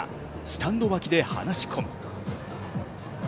スタンド脇で話し込む。